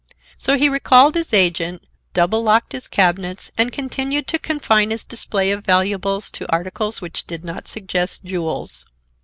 So he recalled his agent, double locked his cabinets and continued to confine his display of valuables to articles which did not suggest jewels.